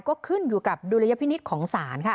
ก็ขึ้นอยู่กับดุลยพินิษฐ์ของศาลค่ะ